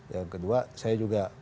yang kedua saya juga